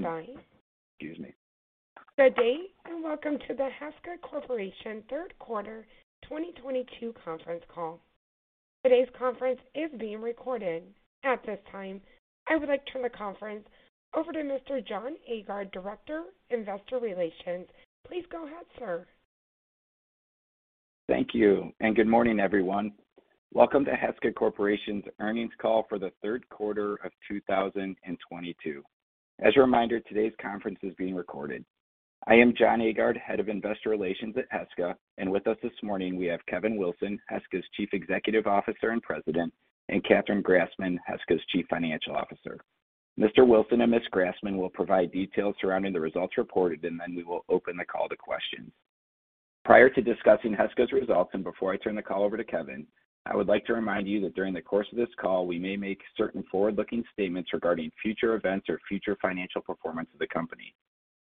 Please stand by. Excuse me. Good day, and welcome to the Heska Corporation third quarter 2022 conference call. Today's conference is being recorded. At this time, I would like to turn the conference over to Mr. Jon Aagaard, Director, Investor Relations. Please go ahead, sir. Thank you, and good morning, everyone. Welcome to Heska Corporation's earnings call for the third quarter of 2022. As a reminder, today's conference is being recorded. I am Jon Aagaard, Head of Investor Relations at Heska, and with us this morning, we have Kevin Wilson, Heska's Chief Executive Officer and President, and Catherine Grassman, Heska's Chief Financial Officer. Mr. Wilson and Ms. Grassman will provide details surrounding the results reported. We will open the call to questions. Prior to discussing Heska's results. Before I turn the call over to Kevin, I would like to remind you that during the course of this call, we may make certain forward-looking statements regarding future events or future financial performance of the company.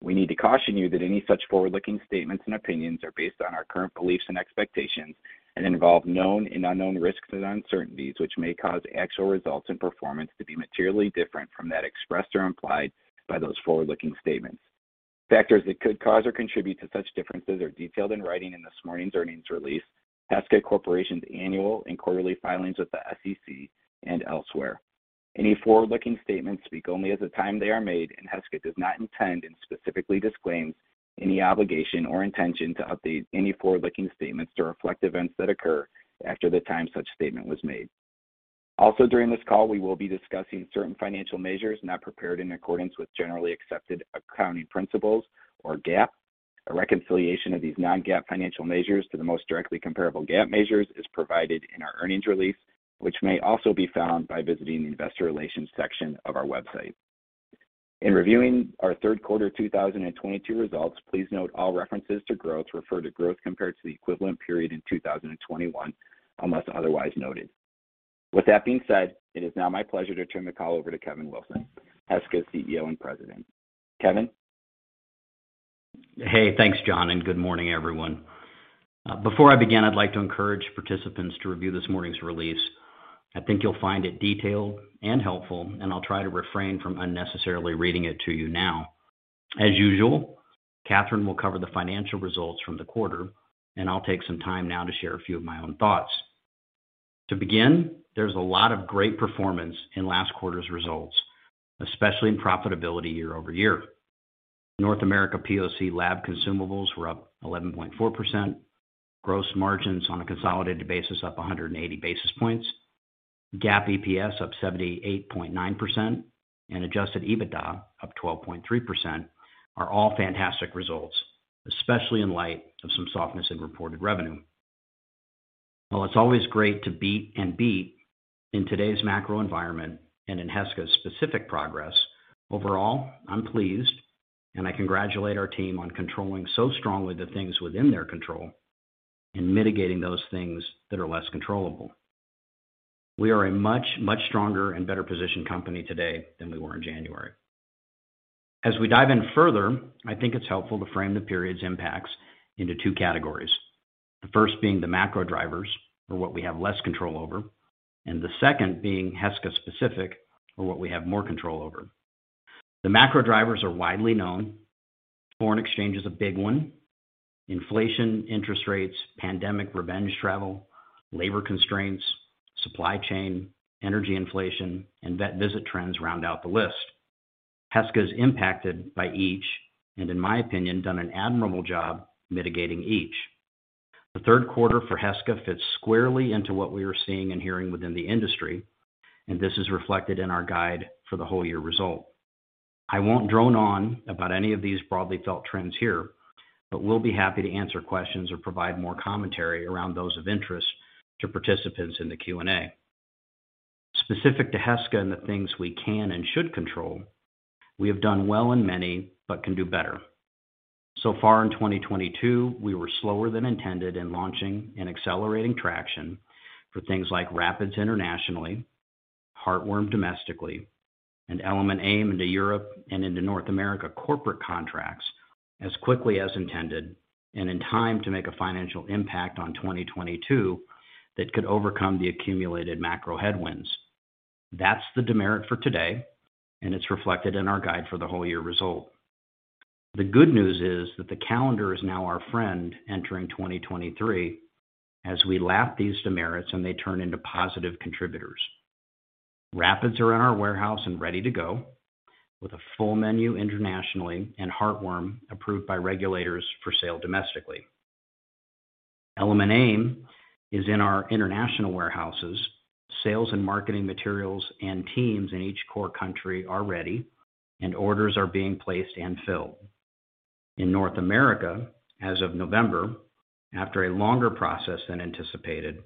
We need to caution you that any such forward-looking statements and opinions are based on our current beliefs and expectations and involve known and unknown risks and uncertainties, which may cause actual results and performance to be materially different from that expressed or implied by those forward-looking statements. Factors that could cause or contribute to such differences are detailed in writing in this morning's earnings release, Heska Corporation's annual and quarterly filings with the SEC, and elsewhere. Any forward-looking statements speak only as of the time they are made, Heska does not intend and specifically disclaims any obligation or intention to update any forward-looking statements to reflect events that occur after the time such statement was made. Also, during this call, we will be discussing certain financial measures not prepared in accordance with generally accepted accounting principles, or GAAP. A reconciliation of these non-GAAP financial measures to the most directly comparable GAAP measures is provided in our earnings release, which may also be found by visiting the investor relations section of our website. In reviewing our third quarter 2022 results, please note all references to growth refer to growth compared to the equivalent period in 2021, unless otherwise noted. With that being said, it is now my pleasure to turn the call over to Kevin Wilson, Heska's CEO and President. Kevin? Hey, thanks, Jon. Good morning, everyone. Before I begin, I'd like to encourage participants to review this morning's release. I think you'll find it detailed and helpful, and I'll try to refrain from unnecessarily reading it to you now. As usual, Catherine will cover the financial results from the quarter, and I'll take some time now to share a few of my own thoughts. To begin, there's a lot of great performance in last quarter's results, especially in profitability year-over-year. North America POC lab consumables were up 11.4%, gross margins on a consolidated basis up 180 basis points, GAAP EPS up 78.9%, and Adjusted EBITDA up 12.3% are all fantastic results, especially in light of some softness in reported revenue. While it's always great to beat and beat in today's macro environment and in Heska's specific progress, overall, I'm pleased, and I congratulate our team on controlling so strongly the things within their control and mitigating those things that are less controllable. We are a much, much stronger and better-positioned company today than we were in January. As we dive in further, I think it's helpful to frame the period's impacts into 2 categories. The first being the macro drivers, or what we have less control over, and the second being Heska specific, or what we have more control over. The macro drivers are widely known. Foreign exchange is a big one. Inflation, interest rates, pandemic revenge travel, labor constraints, supply chain, energy inflation, and vet visit trends round out the list. Heska is impacted by each, and in my opinion, done an admirable job mitigating each. The third quarter for Heska fits squarely into what we are seeing and hearing within the industry, and this is reflected in our guide for the whole year result. I won't drone on about any of these broadly felt trends here, but will be happy to answer questions or provide more commentary around those of interest to participants in the Q&A. Specific to Heska and the things we can and should control, we have done well in many but can do better. So far in 2022, we were slower than intended in launching and accelerating traction for things like Rapids internationally, Heartworm domestically, and Element AIM into Europe and into North America corporate contracts as quickly as intended and in time to make a financial impact on 2022 that could overcome the accumulated macro headwinds. That's the demerit for today, and it's reflected in our guide for the whole year result. The good news is that the calendar is now our friend entering 2023 as we lap these demerits and they turn into positive contributors. Rapids are in our warehouse and ready to go with a full menu internationally and Heartworm approved by regulators for sale domestically. Element AIM is in our international warehouses. Sales and marketing materials and teams in each core country are ready, and orders are being placed and filled. In North America, as of November, after a longer process than anticipated,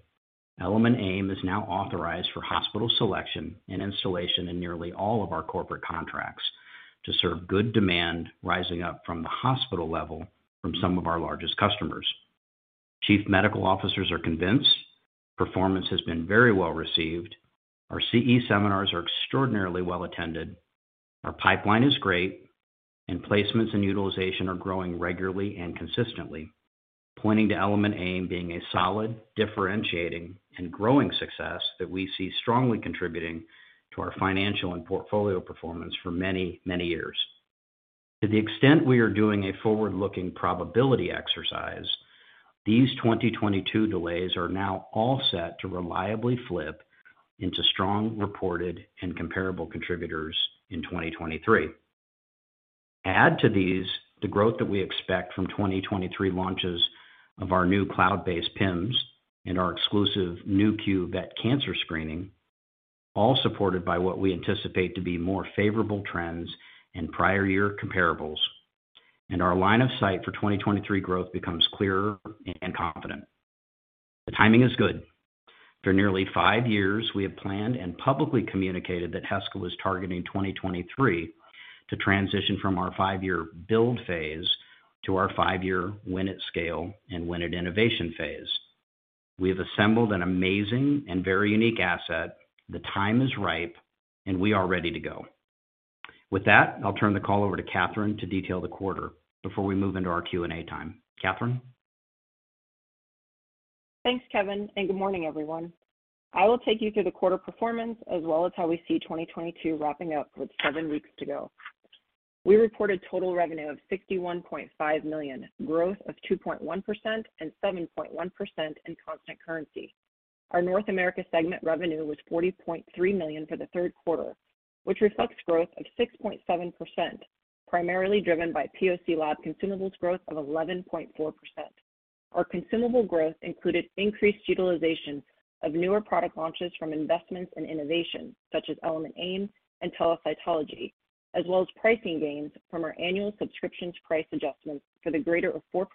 Element AIM is now authorized for hospital selection and installation in nearly all of our corporate contracts to serve good demand rising up from the hospital level from some of our largest customers. Chief medical officers are convinced, performance has been very well received, our CE seminars are extraordinarily well attended, our pipeline is great, and placements and utilization are growing regularly and consistently. Pointing to Element AIM being a solid, differentiating, and growing success that we see strongly contributing to our financial and portfolio performance for many, many years. To the extent we are doing a forward-looking probability exercise, these 2022 delays are now all set to reliably flip into strong reported and comparable contributors in 2023. Add to these, the growth that we expect from 2023 launches of our new cloud-based PIMS and our exclusive Nu.Q Vet Cancer Screening, all supported by what we anticipate to be more favorable trends and prior year comparables, and our line of sight for 2023 growth becomes clearer and confident. The timing is good. For nearly 5 years, we have planned and publicly communicated that Heska was targeting 2023 to transition from our 5-year build phase to our 5-year win at scale and win at innovation phase. We have assembled an amazing and very unique asset. The time is ripe, and we are ready to go. With that, I'll turn the call over to Catherine to detail the quarter before we move into our Q&A time. Catherine? Thanks, Kevin, and good morning, everyone. I will take you through the Q3 performance as well as how we see 2022 wrapping up with 7 weeks to go. We reported total revenue of $61.5 million, growth of 2.1% and 7.1% in constant currency. Our North America segment revenue was $40.3 million for the Q3, which reflects growth of 6.7%, primarily driven by POC lab consumables growth of 11.4%. Our consumable growth included increased utilization of newer product launches from investments in innovation such as Element AIM and telecytology, as well as pricing gains from our annual subscriptions price adjustments to the greater of 4%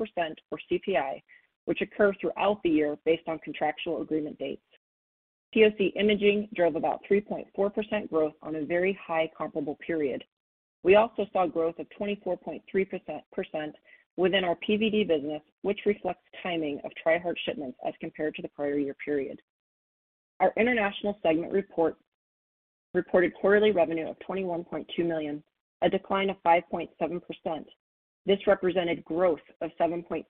or CPI, which occur throughout the year based on contractual agreement dates. POC imaging drove about 3.4% growth on a very high comparable period. We also saw growth of 24.3% within our PVD business, which reflects timing of Tri-Heart shipments as compared to the prior year period. Our international segment reported quarterly revenue of $21.2 million, a decline of 5.7%. This represented growth of 7.3%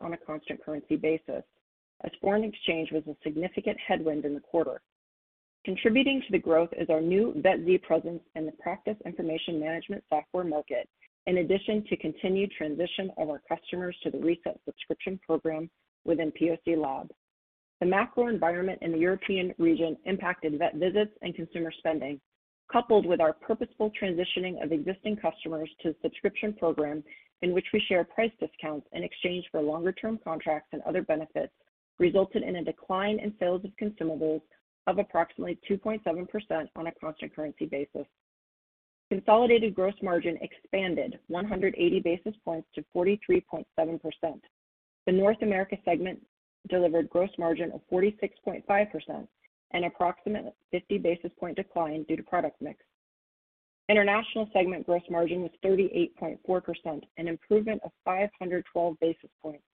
on a constant currency basis, as foreign exchange was a significant headwind in the quarter. Contributing to the growth is our new VetZ presence in the practice information management software market, in addition to continued transition of our customers to the reset subscription program within POC lab. The macro environment in the European region impacted vet visits and consumer spending, coupled with our purposeful transitioning of existing customers to subscription program in which we share price discounts in exchange for longer term contracts and other benefits, resulted in a decline in sales of consumables of approximately 2.7% on a constant currency basis. Consolidated gross margin expanded 180 basis points to 43.7%. The North America segment delivered gross margin of 46.5%, an approximate 50 basis point decline due to product mix. International segment gross margin was 38.4%, an improvement of 512 basis points.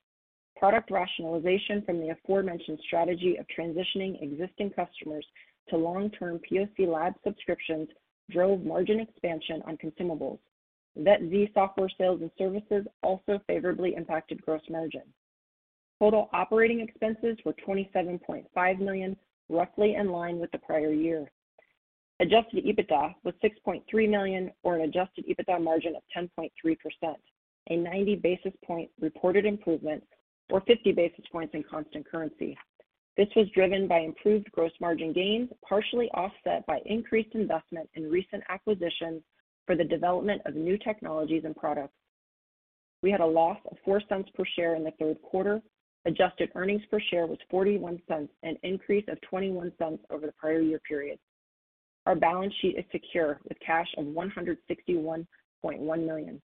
Product rationalization from the aforementioned strategy of transitioning existing customers to long-term POC lab subscriptions drove margin expansion on consumables. VetZ software sales and services also favorably impacted gross margin. Total operating expenses were $27.5 million, roughly in line with the prior year. Adjusted EBITDA was $6.3 million or an Adjusted EBITDA margin of 10.3%, a 90 basis point reported improvement or 50 basis points in constant currency. This was driven by improved gross margin gains, partially offset by increased investment in recent acquisitions for the development of new technologies and products. We had a loss of $0.04 per share in the Q3. Adjusted earnings per share was $0.41, an increase of $0.21 over the prior year period. Our balance sheet is secure with cash of $161.1 million.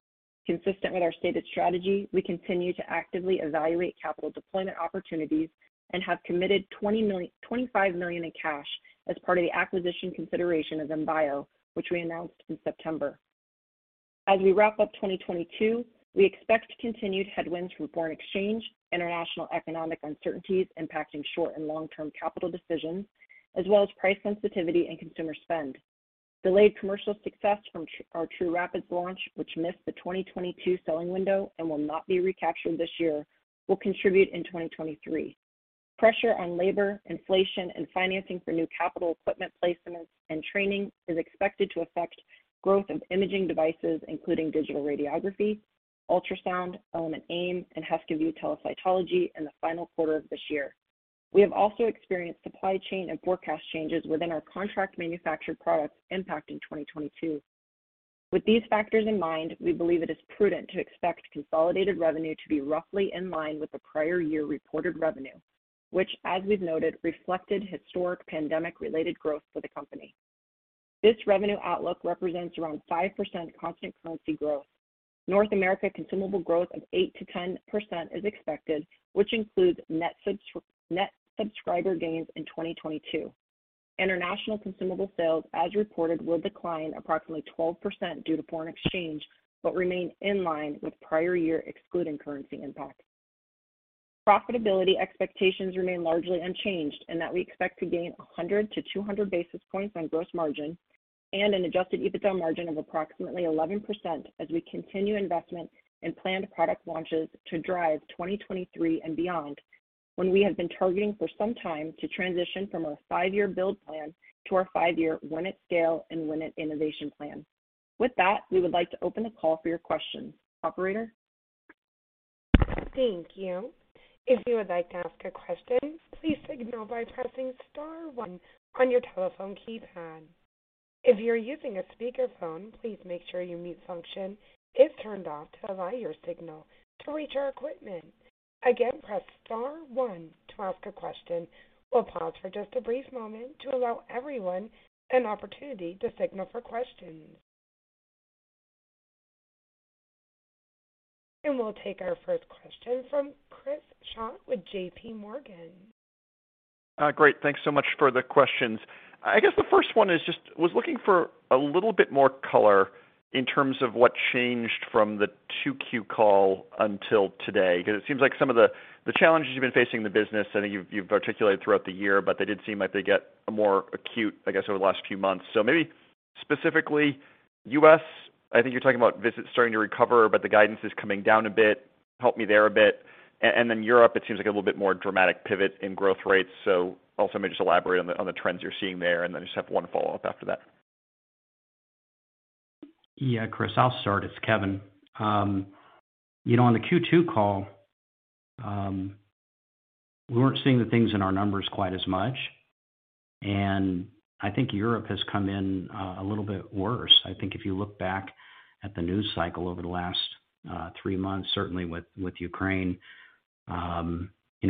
Consistent with our stated strategy, we continue to actively evaluate capital deployment opportunities and have committed $25 million in cash as part of the acquisition consideration of MBio, which we announced in September. As we wrap up 2022, we expect continued headwinds from foreign exchange, international economic uncertainties impacting short and long-term capital decisions, as well as price sensitivity and consumer spend. Delayed commercial success from our trūRapid launch, which missed the 2022 selling window and will not be recaptured this year, will contribute in 2023. Pressure on labor, inflation, and financing for new capital equipment placements and training is expected to affect growth of imaging devices including digital radiography, ultrasound, Element AIM, and HeskaView telecytology in the Q4 of this year. We have also experienced supply chain and forecast changes within our contract manufactured products impacting 2022. With these factors in mind, we believe it is prudent to expect consolidated revenue to be roughly in line with the prior year reported revenue, which as we have noted, reflected historic pandemic-related growth for the company. This revenue outlook represents around 5% constant currency growth. North America consumable growth of 8%-10% is expected, which includes net subscriber gains in 2022. International consumable sales, as reported, will decline approximately 12% due to foreign exchange, but remain in line with prior year excluding currency impact. Profitability expectations remain largely unchanged in that we expect to gain 100 to 200 basis points on gross margin. An Adjusted EBITDA margin of approximately 11% as we continue investment in planned product launches to drive 2023 and beyond, when we have been targeting for some time to transition from our five-year build plan to our five-year win at scale and win at innovation plan. With that, we would like to open the call for your questions. Operator? Thank you. If you would like to ask a question, please signal by pressing star one on your telephone keypad. If you are using a speakerphone, please make sure your mute function is turned off to allow your signal to reach our equipment. Again, press star one to ask a question. We will pause for just a brief moment to allow everyone an opportunity to signal for questions. We will take our first question from Chris Schott with J.P. Morgan. Great. Thanks so much for the questions. I guess the first one is just, I was looking for a little bit more color in terms of what changed from the 2Q call until today, because it seems like some of the challenges you have been facing in the business, I think you have articulated throughout the year, but they did seem like they get more acute, I guess, over the last few months. Maybe specifically U.S., I think you are talking about visits starting to recover, but the guidance is coming down a bit. Help me there a bit. Then Europe, it seems like a little bit more dramatic pivot in growth rates. Also maybe just elaborate on the trends you are seeing there, and then just have one follow-up after that. Yeah, Chris, I'll start. It's Kevin. On the Q2 call, we weren't seeing the things in our numbers quite as much. I think Europe has come in a little bit worse. I think if you look back at the news cycle over the last three months, certainly with Ukraine,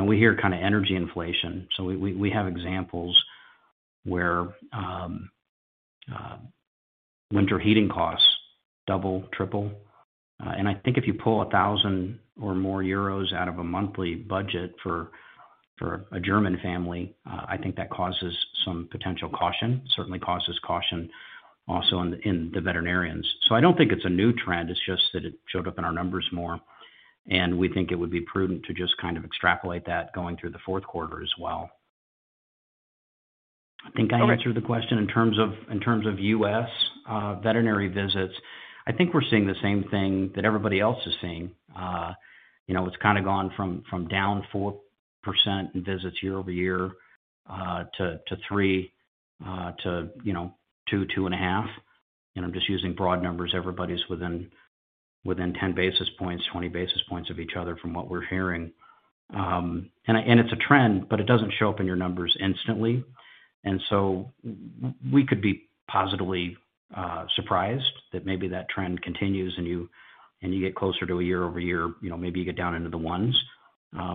we hear energy inflation. We have examples where winter heating costs double, triple. I think if you pull 1,000 or more out of a monthly budget for a German family, I think that causes some potential caution. Certainly causes caution also in the veterinarians. I don't think it's a new trend, it's just that it showed up in our numbers more, and we think it would be prudent to just extrapolate that going through the fourth quarter as well. Okay. I think I answered the question. In terms of U.S. veterinary visits, I think we're seeing the same thing that everybody else is seeing. It's gone from down 4% in visits year-over-year, to 3%, to 2%, 2.5%. I'm just using broad numbers. Everybody's within 10 basis points, 20 basis points of each other from what we're hearing. It's a trend, but it doesn't show up in your numbers instantly. We could be positively surprised that maybe that trend continues and you get closer to a year-over-year, maybe you get down into the 1s,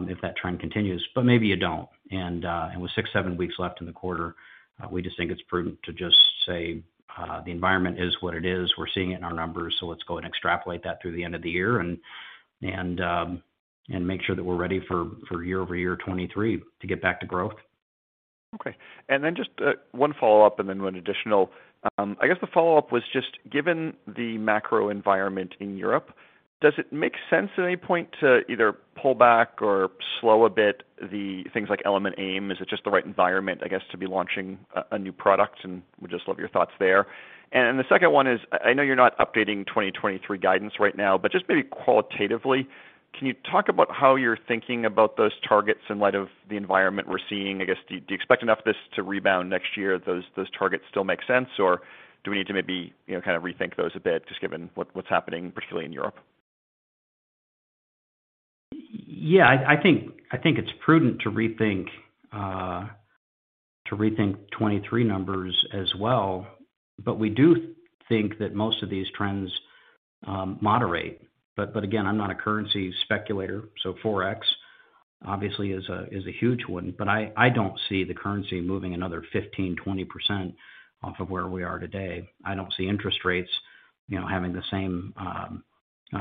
if that trend continues, but maybe you don't. With 6, 7 weeks left in the quarter, we just think it's prudent to just say, "The environment is what it is. We're seeing it in our numbers, let's go and extrapolate that through the end of the year and make sure that we're ready for year-over-year 2023 to get back to growth. Okay. Just one follow-up and then one additional. I guess the follow-up was just, given the macro environment in Europe, does it make sense at any point to either pull back or slow a bit the things like Element AIM? Is it just the right environment, I guess, to be launching a new product? Would just love your thoughts there. The second one is, I know you're not updating 2023 guidance right now, but just maybe qualitatively, can you talk about how you're thinking about those targets in light of the environment we're seeing? I guess, do you expect enough of this to rebound next year that those targets still make sense? Do we need to maybe rethink those a bit, just given what's happening, particularly in Europe? I think it's prudent to rethink 2023 numbers as well. We do think that most of these trends moderate. Again, I'm not a currency speculator, so Forex obviously is a huge one. I don't see the currency moving another 15%-20% off of where we are today. I don't see interest rates having the same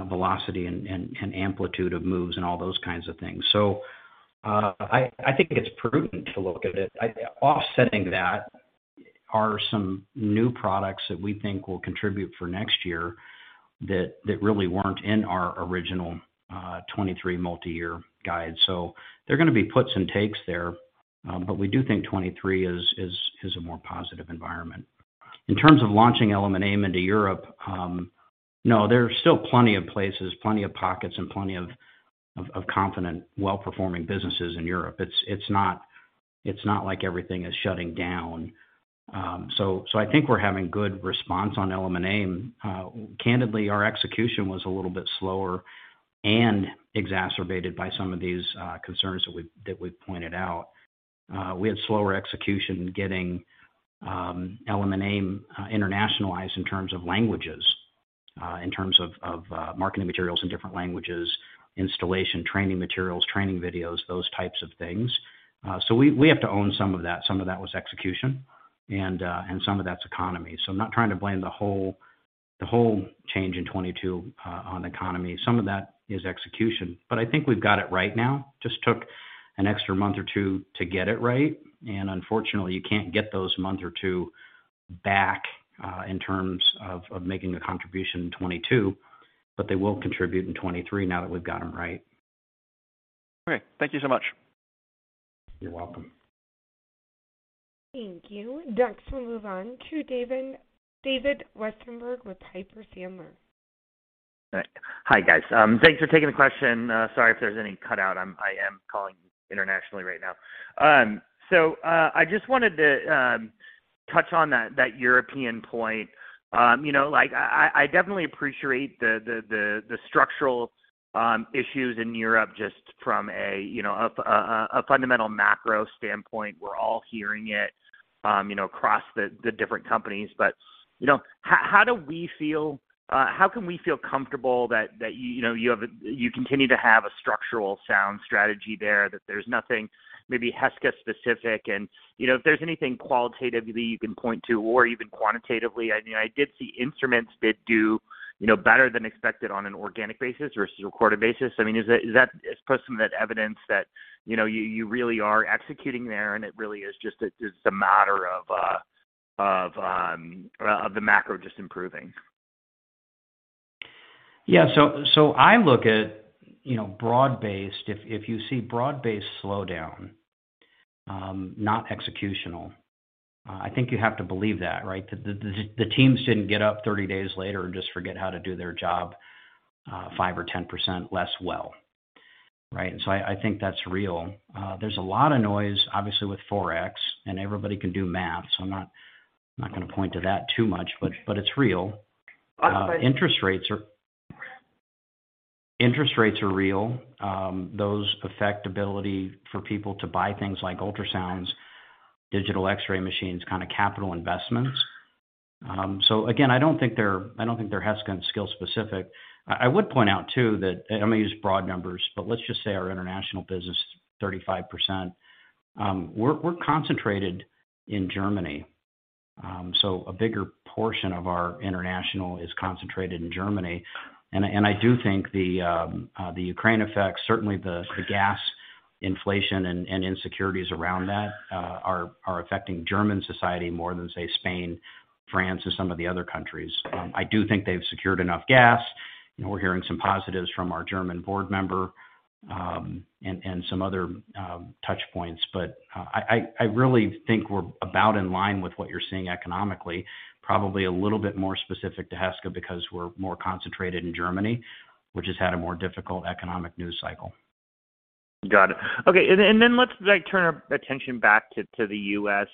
velocity and amplitude of moves and all those kinds of things. I think it's prudent to look at it. Offsetting that are some new products that we think will contribute for next year that really weren't in our original 2023 multi-year guide. There are going to be puts and takes there. We do think 2023 is a more positive environment. In terms of launching Element AIM into Europe, no, there are still plenty of places, plenty of pockets, and plenty of confident, well-performing businesses in Europe. It's not like everything is shutting down. I think we're having good response on Element AIM. Candidly, our execution was a little bit slower and exacerbated by some of these concerns that we pointed out. We had slower execution getting Element AIM internationalized in terms of languages, in terms of marketing materials in different languages, installation, training materials, training videos, those types of things. We have to own some of that. Some of that was execution and some of that's economy. I'm not trying to blame the whole change in 2022 on economy. Some of that is execution. I think we've got it right now. Just took an extra month or two to get it right, and unfortunately, you can't get those month or two back in terms of making a contribution in 2022, but they will contribute in 2023 now that we've got them right. Okay. Thank you so much. You're welcome. Thank you. Next, we'll move on to David Westenberg with Piper Sandler. Hi, guys. Thanks for taking the question. Sorry if there's any cutout. I am calling internationally right now. I just wanted to touch on that European point. I definitely appreciate the structural issues in Europe, just from a fundamental macro standpoint. We're all hearing it across the different companies. How can we feel comfortable that you continue to have a structural sound strategy there, that there's nothing maybe Heska specific, and if there's anything qualitatively you can point to or even quantitatively. I did see instruments did do better than expected on an organic basis versus a recorded basis. Does that put some of that evidence that you really are executing there, and it really is just a matter of the macro just improving? Yeah. I look at broad-based. If you see broad-based slowdown, not executional, I think you have to believe that, right? The teams didn't get up 30 days later and just forget how to do their job 5% or 10% less well. Right? I think that's real. There's a lot of noise, obviously, with Forex, and everybody can do math, so I'm not going to point to that too much, but it's real. Interest rates are real. Those affect ability for people to buy things like ultrasounds, digital X-ray machines, kind of capital investments. Again, I don't think they're Heska and skill specific. I would point out, too, that, I'm going to use broad numbers, but let's just say our international business, 35%. We're concentrated in Germany. A bigger portion of our international is concentrated in Germany. I do think the Ukraine effect, certainly the gas inflation and insecurities around that, are affecting German society more than, say, Spain, France, or some of the other countries. I do think they've secured enough gas, and we're hearing some positives from our German board member, and some other touch points. I really think we're about in line with what you're seeing economically. Probably a little bit more specific to Heska because we're more concentrated in Germany, which has had a more difficult economic news cycle. Got it. Okay. Let's turn our attention back to the U.S.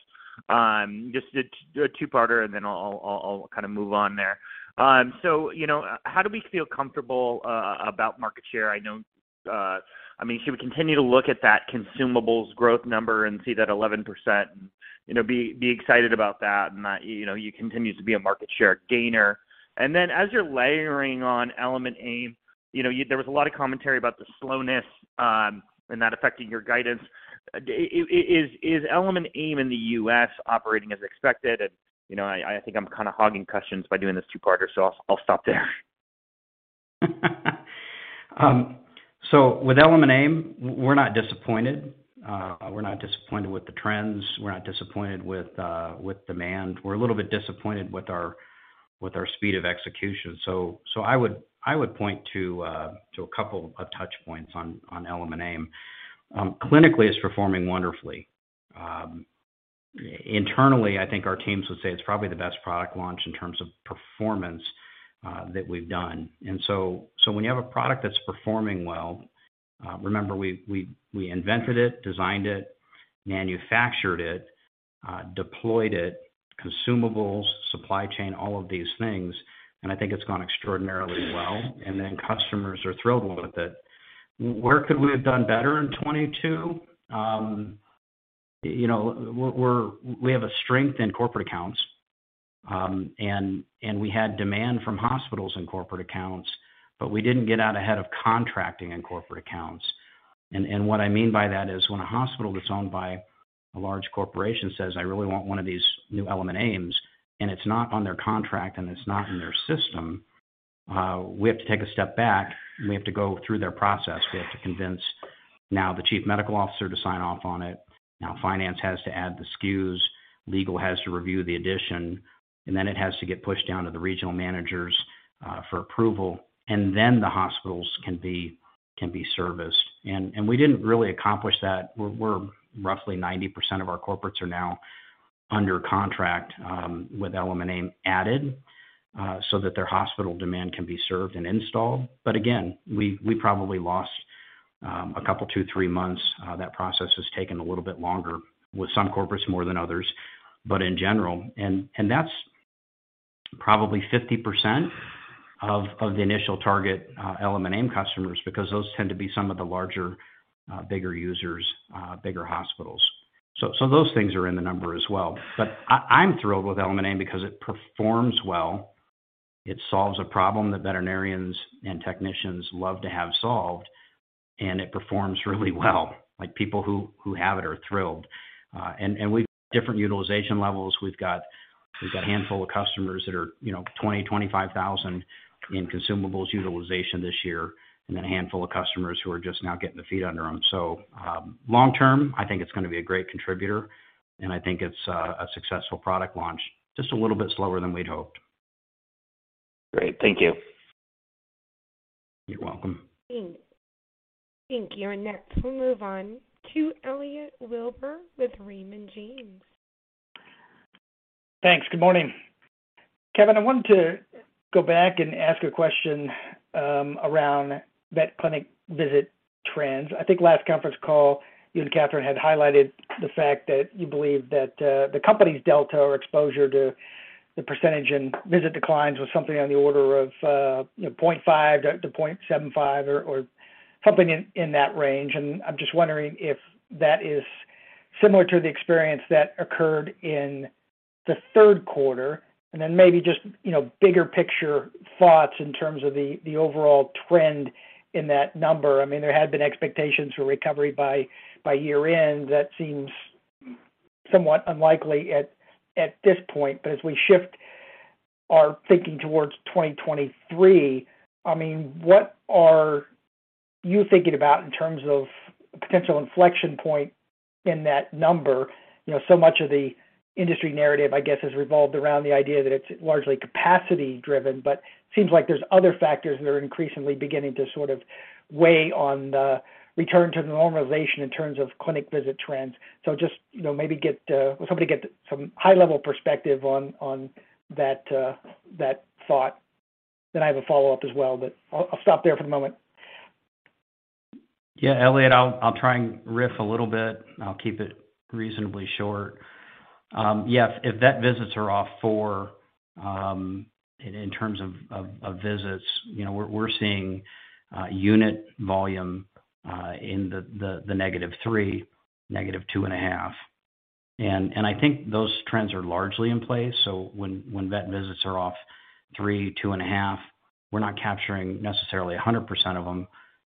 Just a two-parter, then I'll kind of move on there. How do we feel comfortable about market share? Should we continue to look at that consumables growth number and see that 11% and be excited about that and that you continue to be a market share gainer? Then as you're layering on Element AIM, there was a lot of commentary about the slowness and that affecting your guidance. Is Element AIM in the U.S. operating as expected? I think I'm kind of hogging questions by doing this two-parter, I'll stop there. With Element AIM, we're not disappointed. We're not disappointed with the trends. We're not disappointed with demand. We're a little bit disappointed with our speed of execution. I would point to a couple of touch points on Element AIM. Clinically, it's performing wonderfully. Internally, I think our teams would say it's probably the best product launch in terms of performance that we've done. When you have a product that's performing well, remember, we invented it, designed it, manufactured it, deployed it, consumables, supply chain, all of these things, I think it's gone extraordinarily well. Customers are thrilled with it. Where could we have done better in 2022? We have a strength in corporate accounts, we had demand from hospitals and corporate accounts, we didn't get out ahead of contracting in corporate accounts. What I mean by that is when a hospital that's owned by a large corporation says, "I really want one of these new Element AIMs," it's not on their contract and it's not in their system, we have to take a step back and we have to go through their process. We have to convince now the Chief Medical Officer to sign off on it. Now finance has to add the SKUs. Legal has to review the addition, it has to get pushed down to the regional managers for approval, then the hospitals can be serviced. We didn't really accomplish that. Roughly 90% of our corporates are now under contract with Element AIM added so that their hospital demand can be served and installed. Again, we probably lost a couple, two, three months. That process has taken a little bit longer with some corporates more than others, in general. That's probably 50% of the initial target Element AIM customers, because those tend to be some of the larger, bigger users, bigger hospitals. Those things are in the number as well. I'm thrilled with Element AIM because it performs well. It solves a problem that veterinarians and technicians love to have solved, it performs really well. Like, people who have it are thrilled. We've different utilization levels. We've got a handful of customers that are 20,000, 25,000 in consumables utilization this year, a handful of customers who are just now getting their feet under them. Long term, I think it's going to be a great contributor, I think it's a successful product launch, just a little bit slower than we'd hoped. Great. Thank you. You're welcome. Thank you. Next we'll move on to Elliot Wilbur with Raymond James. Thanks. Good morning. Kevin, I wanted to go back and ask a question around vet clinic visit trends. I think last conference call, you and Catherine had highlighted the fact that you believe that the company's delta or exposure to the percentage in visit declines was something on the order of 0.5-0.75 or something in that range. I'm just wondering if that is similar to the experience that occurred in the third quarter, maybe just bigger picture thoughts in terms of the overall trend in that number. There had been expectations for recovery by year-end. That seems somewhat unlikely at this point. As we shift our thinking towards 2023, what are you thinking about in terms of potential inflection point in that number? Much of the industry narrative, I guess, has revolved around the idea that it's largely capacity-driven, but it seems like there's other factors that are increasingly beginning to sort of weigh on the return to the normalization in terms of clinic visit trends. Just maybe hopefully get some high-level perspective on that thought. I have a follow-up as well, but I'll stop there for the moment. Yeah. Elliot, I'll try and riff a little bit. I'll keep it reasonably short. Yes, if vet visits are off 4 in terms of visits, we're seeing unit volume in the negative 3, negative 2.5. I think those trends are largely in place. When vet visits are off 3, 2.5, we're not capturing necessarily 100% of them,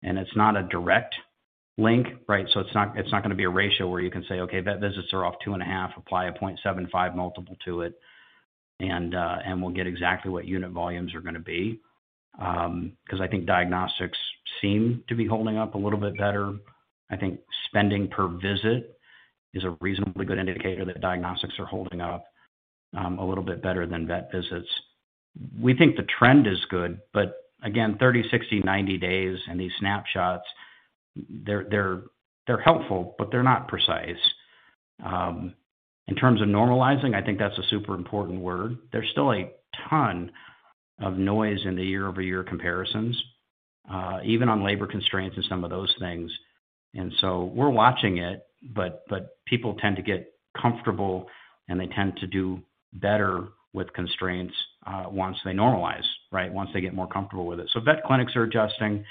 and it's not a direct link, right? It's not going to be a ratio where you can say, okay, vet visits are off 2.5, apply a 0.75 multiple to it, and we'll get exactly what unit volumes are going to be, because I think diagnostics seem to be holding up a little bit better. I think spending per visit is a reasonably good indicator that diagnostics are holding up a little bit better than vet visits. We think the trend is good, but again, 30, 60, 90 days and these snapshots, they're helpful, but they're not precise. In terms of normalizing, I think that's a super important word. There's still a ton of noise in the year-over-year comparisons, even on labor constraints and some of those things. We're watching it, but people tend to get comfortable, and they tend to do better with constraints once they normalize, right, once they get more comfortable with it. Vet clinics are adjusting,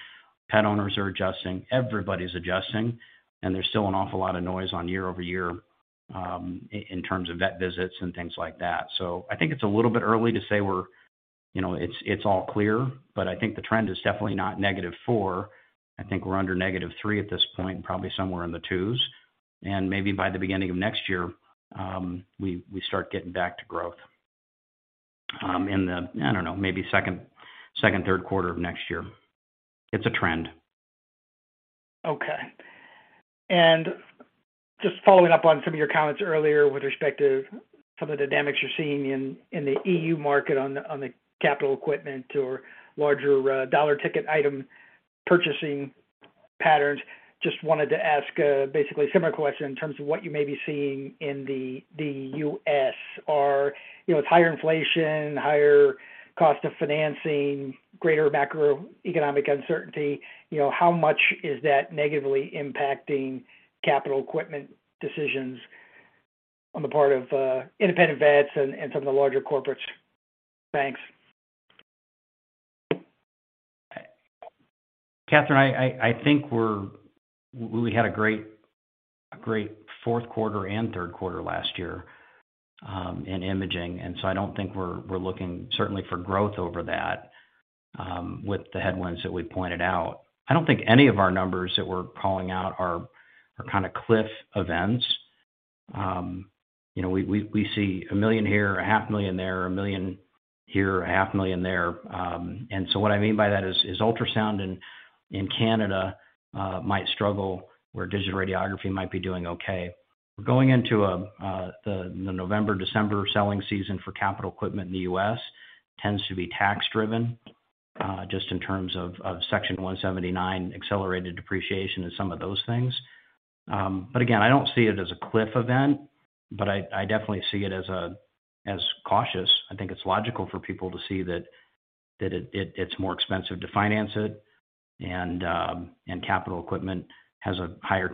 pet owners are adjusting, everybody's adjusting, and there's still an awful lot of noise on year-over-year, in terms of vet visits and things like that. I think it's a little bit early to say it's all clear, but I think the trend is definitely not negative 4. I think we're under negative 3 at this point, probably somewhere in the twos. Maybe by the beginning of next year, we start getting back to growth in the, I don't know, maybe second, third quarter of next year. It's a trend. Okay. Just following up on some of your comments earlier with respect to some of the dynamics you're seeing in the E.U. market on the capital equipment or larger dollar ticket item purchasing patterns, just wanted to ask basically a similar question in terms of what you may be seeing in the U.S. With higher inflation, higher cost of financing, greater macroeconomic uncertainty, how much is that negatively impacting capital equipment decisions on the part of independent vets and some of the larger corporates? Thanks. Catherine, I think we had a great fourth quarter and third quarter last year in imaging. I don't think we're looking certainly for growth over that with the headwinds that we pointed out. I don't think any of our numbers that we're calling out are cliff events. We see $1 million here, a half million there, $1 million here, a half million there. What I mean by that is, ultrasound in Canada might struggle where digital radiography might be doing okay. Going into the November, December selling season for capital equipment in the U.S. tends to be tax-driven, just in terms of Section 179 accelerated depreciation and some of those things. Again, I don't see it as a cliff event, but I definitely see it as cautious. I think it's logical for people to see that it's more expensive to finance it and capital equipment has a higher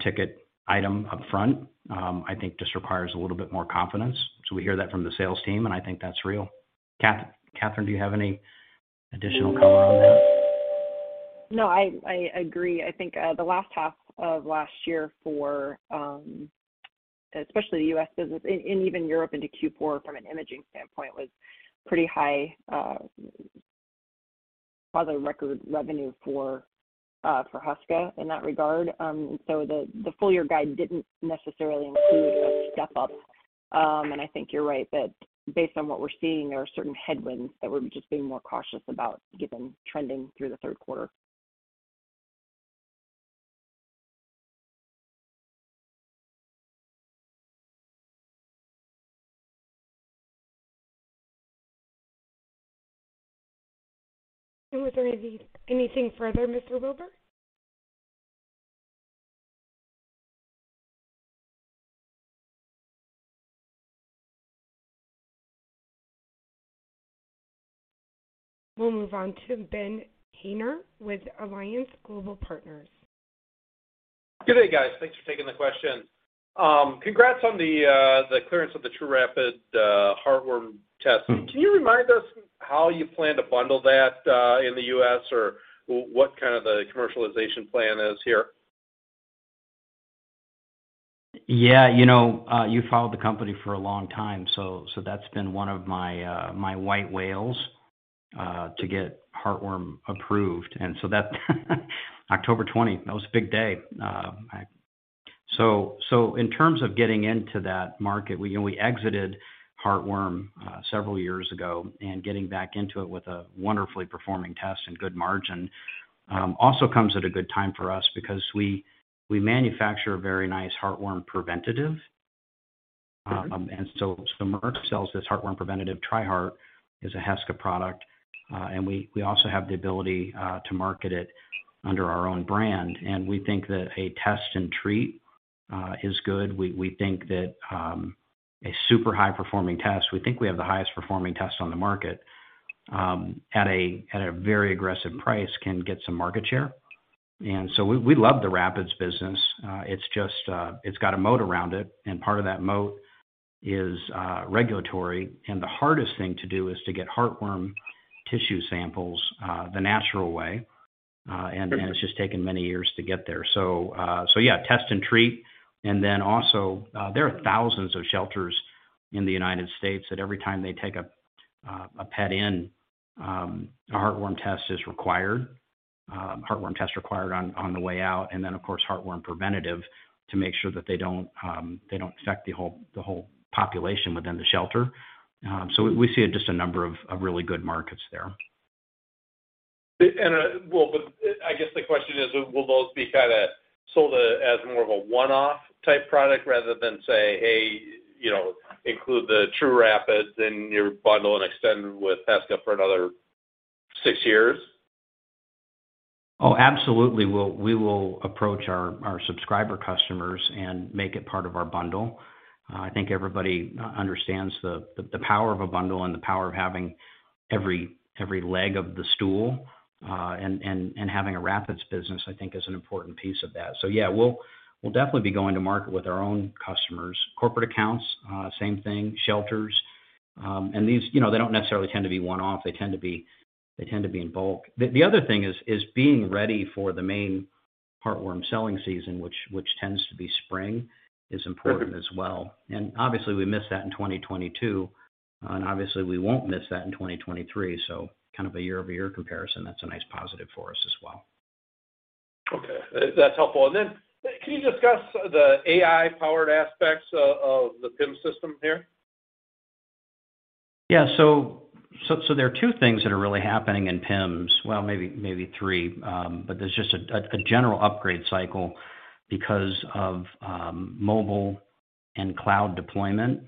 ticket item upfront, I think just requires a little bit more confidence. We hear that from the sales team, and I think that's real. Catherine, do you have any additional color on that? No, I agree. I think the last half of last year for especially the U.S. business and even Europe into Q4 from an imaging standpoint, was pretty high, rather record revenue for Heska in that regard. The full year guide didn't necessarily include a step-up. I think you're right that based on what we're seeing, there are certain headwinds that we're just being more cautious about given trending through the third quarter. Was there anything further, Mr. Wilbur? We'll move on to Benjamin Haynor with Alliance Global Partners. Good day, guys. Thanks for taking the question. Congrats on the clearance of the trūRapid Heartworm test. Can you remind us how you plan to bundle that in the U.S., or what the commercialization plan is here? You've followed the company for a long time, that's been one of my white whales to get Heartworm approved, that October 20, that was a big day. In terms of getting into that market, we exited Heartworm several years ago and getting back into it with a wonderfully performing test and good margin also comes at a good time for us because we manufacture a very nice Heartworm preventative. Okay. Merck sells this Heartworm preventative, Tri-Heart, is a Heska product. We also have the ability to market it under our own brand. We think that a test and treat is good. We think that a super high-performing test, we think we have the highest performing test on the market, at a very aggressive price can get some market share. We love the trūRapid business. It's got a moat around it, and part of that moat is regulatory and the hardest thing to do is to get Heartworm tissue samples the natural way. Okay. It's just taken many years to get there. Yeah, test and treat, and then also there are thousands of shelters in the U.S. that every time they take a pet in, a heartworm test is required, heartworm test required on the way out, and then of course, heartworm preventative to make sure that they don't affect the whole population within the shelter. We see just a number of really good markets there. I guess the question is, will those be sold as more of a one-off type product rather than, say, include the trūRapid in your bundle and extend with Heska for another six years? Absolutely. We will approach our subscriber customers and make it part of our bundle. I think everybody understands the power of a bundle and the power of having every leg of the stool, and having a Rapids business I think is an important piece of that. Yeah, we'll definitely be going to market with our own customers. Corporate accounts, same thing, shelters. These don't necessarily tend to be one-off. They tend to be in bulk. The other thing is being ready for the main heartworm selling season, which tends to be spring, is important as well. Obviously we missed that in 2022, and obviously we won't miss that in 2023, kind of a year-over-year comparison. That's a nice positive for us as well. Okay. That's helpful. Then can you discuss the AI-powered aspects of the PIMS system here? Yeah. There are two things that are really happening in PIMS. Maybe three, there's just a general upgrade cycle because of mobile and cloud deployment,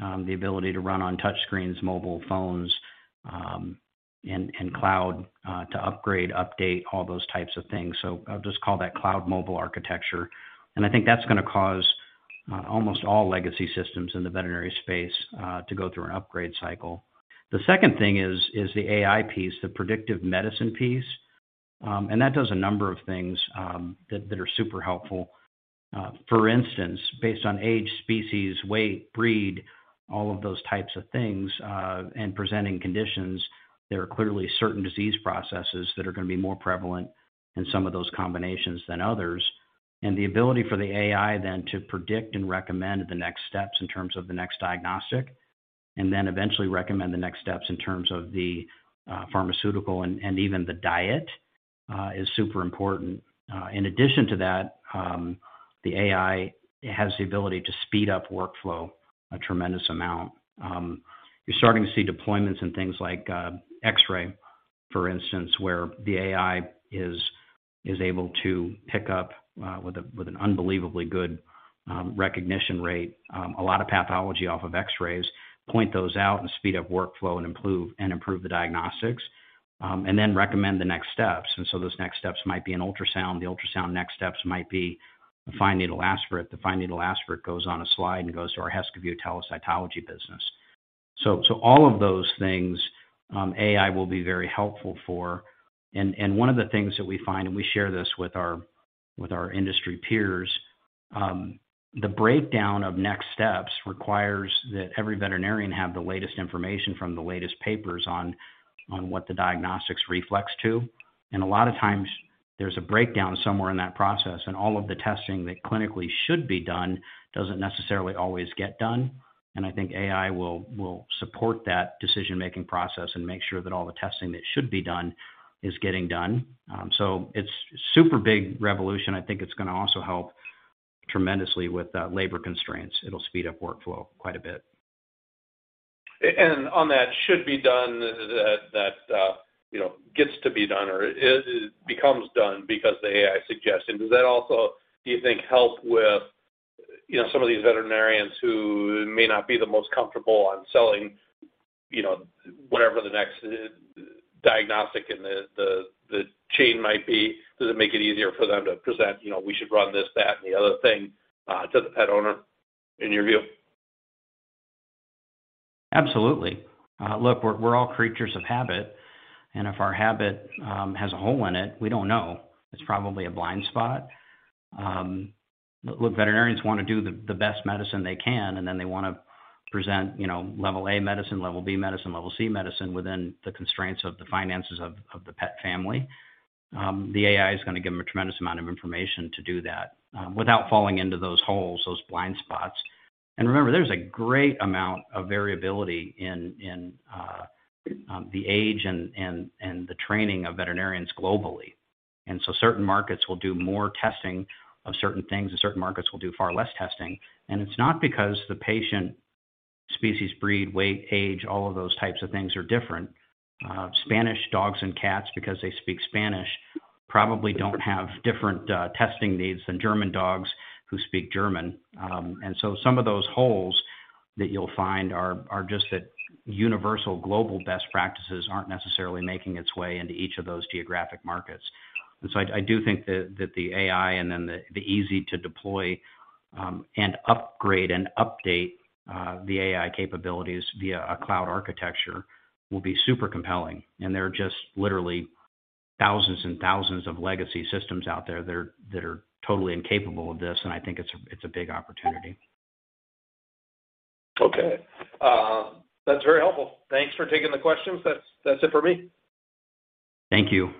the ability to run on touchscreens, mobile phones, and cloud to upgrade, update, all those types of things. I'll just call that cloud mobile architecture. I think that's going to cause almost all legacy systems in the veterinary space to go through an upgrade cycle. The second thing is the AI piece, the predictive medicine piece. That does a number of things that are super helpful. For instance, based on age, species, weight, breed, all of those types of things, and presenting conditions, there are clearly certain disease processes that are going to be more prevalent in some of those combinations than others. The ability for the AI then to predict and recommend the next steps in terms of the next diagnostic, eventually recommend the next steps in terms of the pharmaceutical and even the diet is super important. In addition to that, the AI has the ability to speed up workflow a tremendous amount. You're starting to see deployments in things like X-ray, for instance, where the AI is able to pick up, with an unbelievably good recognition rate, a lot of pathology off of X-rays, point those out and speed up workflow and improve the diagnostics, then recommend the next steps. Those next steps might be an ultrasound. The ultrasound next steps might be a fine needle aspirate. The fine needle aspirate goes on a slide and goes to our HeskaView telecytology business. All of those things AI will be very helpful for. One of the things that we find, we share this with our industry peers, the breakdown of next steps requires that every veterinarian have the latest information from the latest papers on what the diagnostics reflects to. A lot of times there's a breakdown somewhere in that process and all of the testing that clinically should be done doesn't necessarily always get done. I think AI will support that decision-making process and make sure that all the testing that should be done is getting done. It's super big revolution. I think it's going to also help tremendously with labor constraints. It'll speed up workflow quite a bit. On that should be done that gets to be done or becomes done because the AI suggested. Does that also, do you think, help with some of these veterinarians who may not be the most comfortable on selling whatever the next diagnostic in the chain might be? Does it make it easier for them to present, "We should run this, that, and the other thing," to the pet owner, in your view? Absolutely. Look, we're all creatures of habit, and if our habit has a hole in it, we don't know. It's probably a blind spot. Look, veterinarians want to do the best medicine they can, and then they want to present level A medicine, level B medicine, level C medicine within the constraints of the finances of the pet family. The AI is going to give them a tremendous amount of information to do that without falling into those holes, those blind spots. Remember, there's a great amount of variability in the age and the training of veterinarians globally. Certain markets will do more testing of certain things, and certain markets will do far less testing. It's not because the patient, species, breed, weight, age, all of those types of things are different. Spanish dogs and cats, because they speak Spanish, probably don't have different testing needs than German dogs who speak German. Some of those holes that you'll find are just that universal global best practices aren't necessarily making its way into each of those geographic markets. I do think that the AI and then the easy to deploy and upgrade and update the AI capabilities via a cloud architecture will be super compelling, and there are just literally thousands and thousands of legacy systems out there that are totally incapable of this, and I think it's a big opportunity. Okay. That's very helpful. Thanks for taking the questions. That's it for me. Thank you.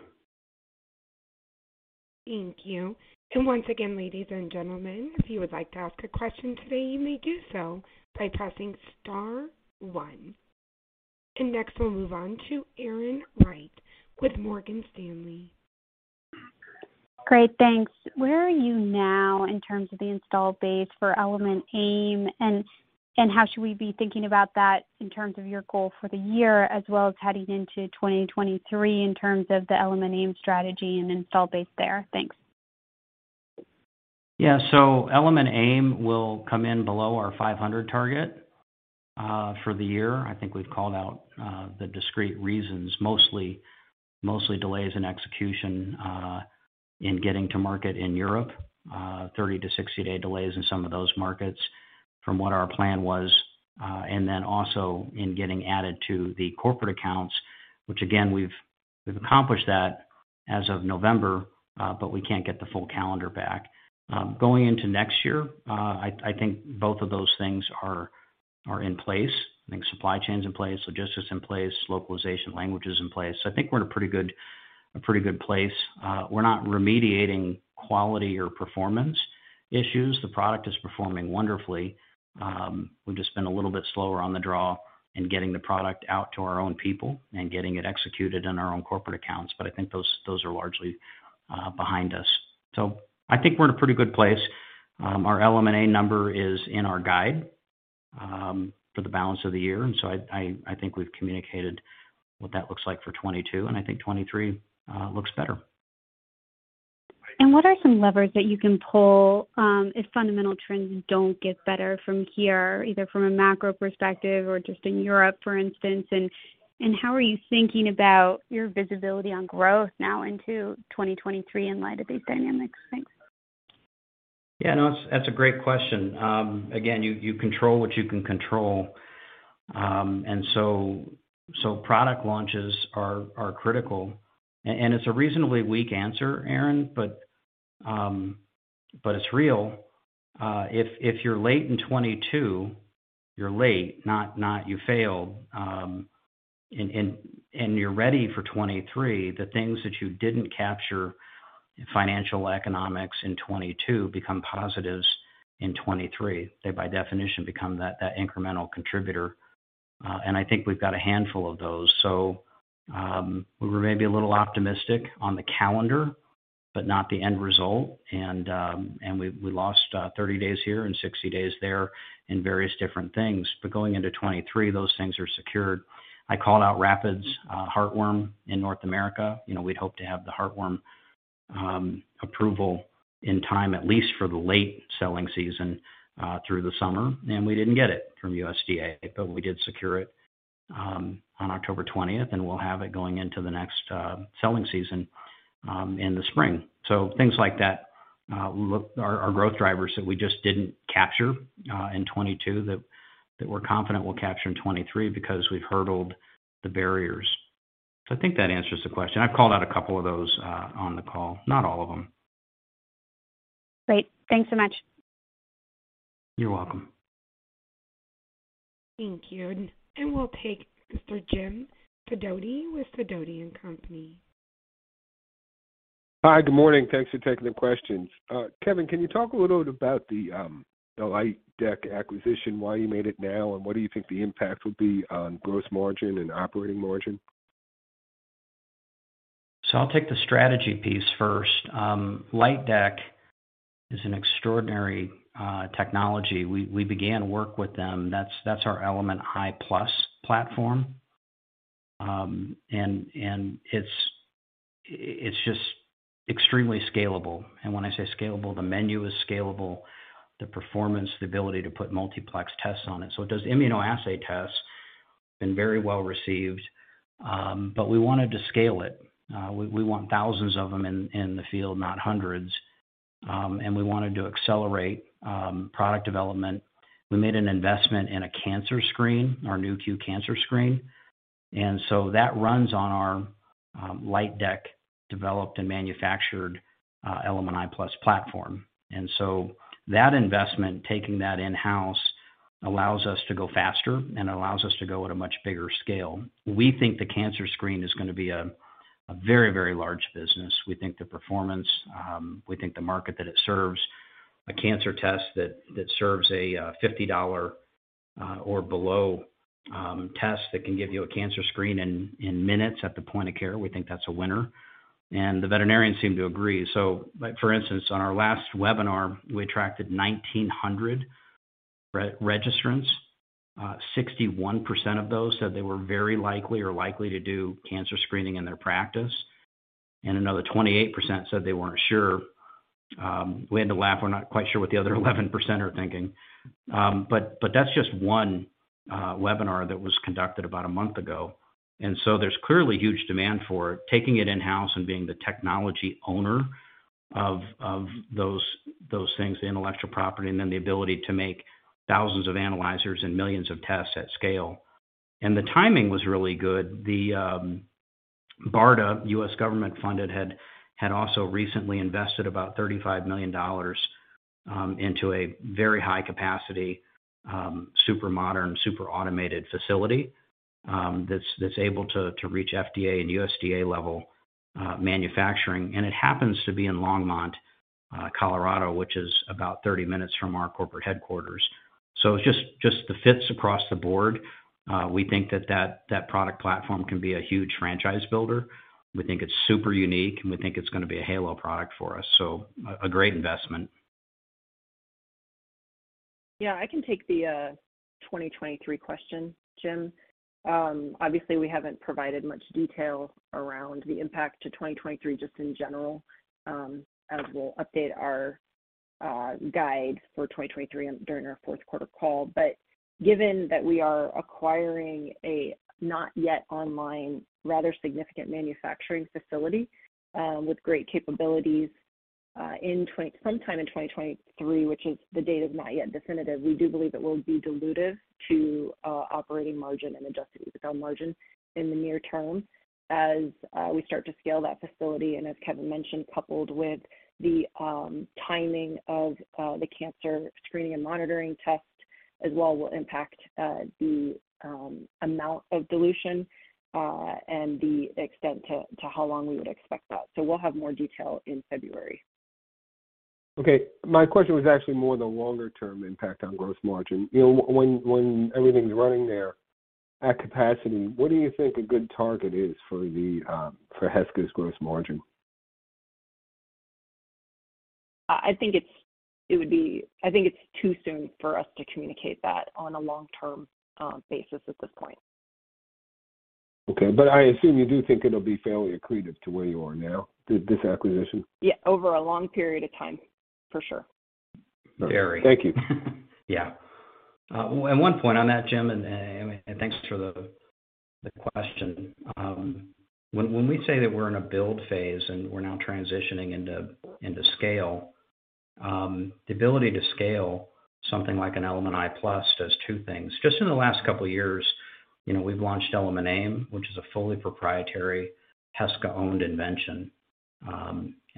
Thank you. Once again, ladies and gentlemen, if you would like to ask a question today, you may do so by pressing star one. Next, we'll move on to Erin Wright with Morgan Stanley. Great, thanks. Where are you now in terms of the install base for Element AIM, and how should we be thinking about that in terms of your goal for the year as well as heading into 2023 in terms of the Element AIM strategy and install base there? Thanks. Element AIM will come in below our 500 target for the year. I think we've called out the discrete reasons, mostly delays in execution in getting to market in Europe, 30 to 60-day delays in some of those markets from what our plan was. Also in getting added to the corporate accounts, which again, we've accomplished that as of November, but we can't get the full calendar back. Going into next year, I think both of those things are in place. I think supply chain's in place, logistics in place, localization language is in place. I think we're in a pretty good place. We're not remediating quality or performance issues. The product is performing wonderfully. We've just been a little bit slower on the draw in getting the product out to our own people and getting it executed in our own corporate accounts, but I think those are largely behind us. I think we're in a pretty good place. Our Element AIM number is in our guide for the balance of the year, and so I think we've communicated what that looks like for 2022, and I think 2023 looks better. What are some levers that you can pull if fundamental trends don't get better from here, either from a macro perspective or just in Europe, for instance, and how are you thinking about your visibility on growth now into 2023 in light of these dynamics? Thanks. Yeah, no, that's a great question. Again, you control what you can control. Product launches are critical. It's a reasonably weak answer, Erin, but it's real. If you're late in 2022, you're late, not you failed, and you're ready for 2023, the things that you didn't capture in financial economics in 2022 become positives in 2023. They, by definition, become that incremental contributor. I think we've got a handful of those. We were maybe a little optimistic on the calendar, but not the end result, and we lost 30 days here and 60 days there in various different things. Going into 2023, those things are secured. I called out trūRapid Heartworm in North America. We'd hoped to have the Heartworm approval in time, at least for the late selling season through the summer, and we didn't get it from USDA, but we did secure it on October 20th, and we'll have it going into the next selling season in the spring. Things like that are growth drivers that we just didn't capture in 2022 that we're confident we'll capture in 2023 because we've hurdled the barriers. I think that answers the question. I've called out a couple of those on the call, not all of them. Great. Thanks so much. You're welcome. Thank you. We'll take Mr. Jon Foti with Foti & Company. Hi, good morning. Thanks for taking the questions. Kevin, can you talk a little bit about the LightDeck acquisition, why you made it now, and what do you think the impact will be on gross margin and operating margin? I'll take the strategy piece first. LightDeck is an extraordinary technology. We began work with them. That's our Element i+ platform. It's just extremely scalable. When I say scalable, the menu is scalable, the performance, the ability to put multiplex tests on it. It does immunoassay tests, been very well received. We wanted to scale it. We want thousands of them in the field, not hundreds. We wanted to accelerate product development. We made an investment in a cancer screen, our Nu.Q Cancer screen. That runs on our LightDeck-developed and manufactured Element i+ platform. That investment, taking that in-house, allows us to go faster and allows us to go at a much bigger scale. We think the cancer screen is going to be a very large business. We think the performance, we think the market that it serves, a cancer test that serves a $50 or below test that can give you a cancer screen in minutes at the point of care, we think that's a winner. The veterinarians seem to agree. For instance, on our last webinar, we attracted 1,900 registrants. 61% of those said they were very likely or likely to do cancer screening in their practice, and another 28% said they weren't sure. We had to laugh. We're not quite sure what the other 11% are thinking. But that's just one webinar that was conducted about a month ago. There's clearly huge demand for taking it in-house and being the technology owner of those things, the intellectual property, and then the ability to make thousands of analyzers and millions of tests at scale. The timing was really good. The BARDA U.S. government-funded had also recently invested about $35 million into a very high-capacity, super-modern, super-automated facility that's able to reach FDA and USDA-level manufacturing. It happens to be in Longmont, Colorado, which is about 30 minutes from our corporate headquarters. It just fits across the board. We think that product platform can be a huge franchise builder. We think it's super unique, and we think it's going to be a halo product for us. So a great investment. I can take the 2023 question, Jon. Obviously, we haven't provided much detail around the impact to 2023 just in general as we'll update our guide for 2023 during our fourth quarter call. But given that we are acquiring a not yet online, rather significant manufacturing facility with great capabilities, sometime in 2023, which is the date is not yet definitive, we do believe it will be dilutive to operating margin and Adjusted EBITDA margin in the near term as we start to scale that facility, and as Kevin mentioned, coupled with the timing of the cancer screening and monitoring test as well will impact the amount of dilution and the extent to how long we would expect that. We'll have more detail in February. Okay. My question was actually more the longer-term impact on gross margin. When everything's running there at capacity, what do you think a good target is for Heska's gross margin? I think it's too soon for us to communicate that on a long-term basis at this point. Okay. I assume you do think it'll be fairly accretive to where you are now, this acquisition? Yeah, over a long period of time, for sure. Very. Thank you. Yeah. One point on that, Jon, and thanks for the question. When we say that we're in a build phase and we're now transitioning into scale, the ability to scale something like an Element i+ does two things. Just in the last couple of years, we've launched Element AIM, which is a fully proprietary Heska-owned invention.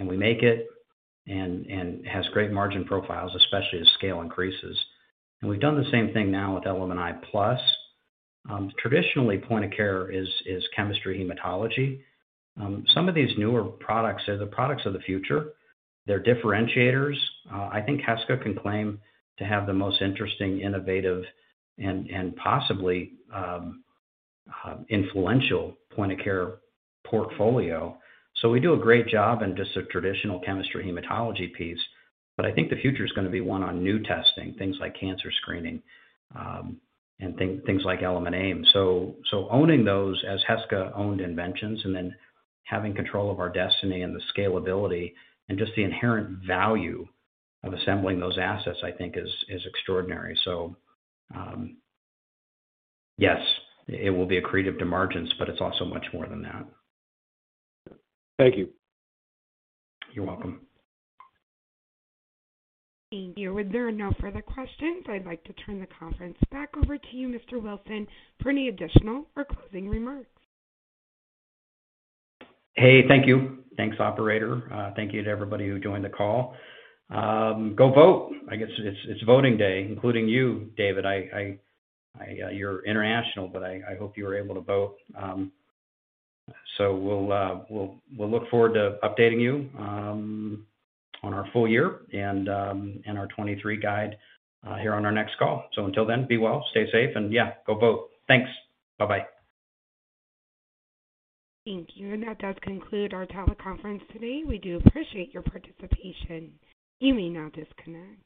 We make it, and has great margin profiles, especially as scale increases. We've done the same thing now with Element i+. Traditionally, point-of-care is chemistry hematology. Some of these newer products are the products of the future. They're differentiators. I think Heska can claim to have the most interesting, innovative, and possibly influential point-of-care portfolio. We do a great job in just a traditional chemistry hematology piece, but I think the future's going to be one on new testing, things like cancer screening and things like Element AIM. Owning those as Heska-owned inventions and then having control of our destiny and the scalability and just the inherent value of assembling those assets, I think is extraordinary. Yes, it will be accretive to margins, but it's also much more than that. Thank you. You're welcome. Thank you. If there are no further questions, I'd like to turn the conference back over to you, Mr. Wilson, for any additional or closing remarks. Hey, thank you. Thanks, operator. Thank you to everybody who joined the call. Go vote. I guess it's voting day, including you, David. You're international, but I hope you were able to vote. We'll look forward to updating you on our full year and our 2023 guide here on our next call. Until then, be well, stay safe, and yeah, go vote. Thanks. Bye-bye. Thank you. That does conclude our teleconference today. We do appreciate your participation. You may now disconnect.